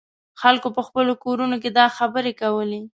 خلکو په خپلو کورونو کې دا خبرې کولې.